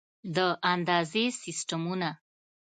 د اندازې سیسټمونه